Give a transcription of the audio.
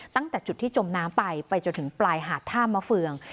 ตั้งแต่จุดที่จมน้ำไปไปจนถึงปลายหาดท่ามะเฟือง